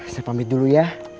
saya pamit dulu ya